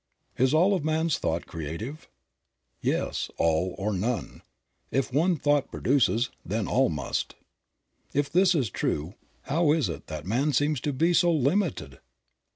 Is all of man's thought creative? Yes, all or none. If one thought produces, then all must. If this be true, how is it that man seems to be so limited?